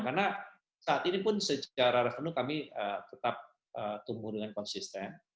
karena saat ini pun secara revenue kami tetap tumbuh dengan konsisten